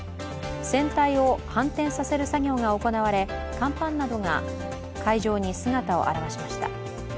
船体を反転させる作業が行われ甲板などが海上に姿を現しました。